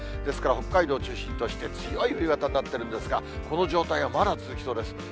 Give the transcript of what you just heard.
ですから、北海道を中心として強い冬型になってるんですが、この状態がまだ続きそうです。